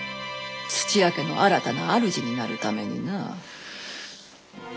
土屋家の新たな主になるためにな。